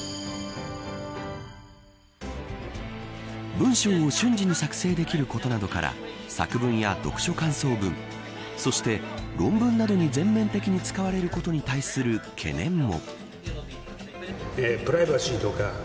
文章を瞬時に作成できることなどから作文や読書感想文そして論文などに全面的に使われることに対する懸念も。